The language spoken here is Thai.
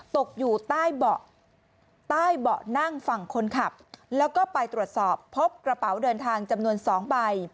ตกอยู่ใต้เบาะใต้เบาะนั่งฝั่งคนขับแล้วก็ไปตรวจสอบพบกระเป๋าเดินทางจำนวน๒ใบ